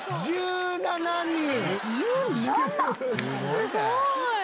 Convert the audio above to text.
すごーい。